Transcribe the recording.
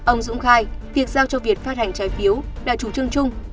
ông dũng khai việc giao cho việc phát hành trái phiếu là chủ trương chung